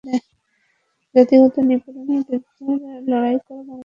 জাতিগত নিপীড়নের বিরুদ্ধে লড়াই করা বাংলাদেশ সর্বদাই কৃষ্ণাঙ্গ অধ্যুষিত আফ্রিকার পাশে ছিল।